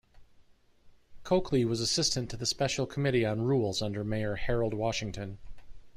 Cokely was assistant to the special committee on rules under Mayor Harold Washington.